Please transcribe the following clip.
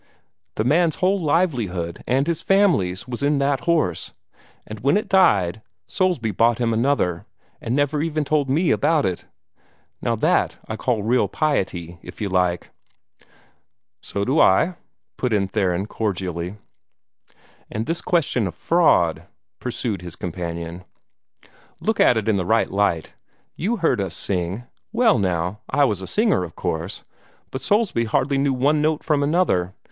The man's whole livelihood, and his family's, was in that horse; and when it died, Soulsby bought him another, and never told even ME about it. Now that I call real piety, if you like." "So do I," put in Theron, cordially. "And this question of fraud," pursued his companion, "look at it in this light. You heard us sing. Well, now, I was a singer, of course, but Soulsby hardly knew one note from another.